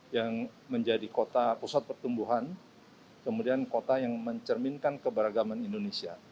yang menjadi kota pusat pertumbuhan kemudian kota yang mencerminkan keberagaman indonesia